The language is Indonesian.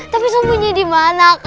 tapi sembunyi di mana